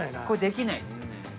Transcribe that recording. これできないですよね。